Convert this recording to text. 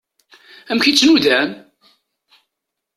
Amek i tt-nudan?